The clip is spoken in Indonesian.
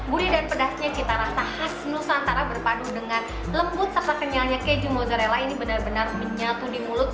gurih dan pedasnya cita rasa khas nusantara berpadu dengan lembut serta kenyalnya keju mozzarella ini benar benar menyatu di mulut